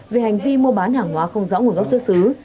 về hành vi mua bán hàng hóa không rõ nguồn gốc xuất xứ